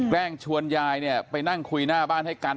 แกล้งชวนยายเนี่ยไปนั่งคุยหน้าบ้านให้กัน